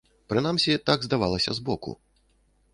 Прынамсі, так здавалася збоку.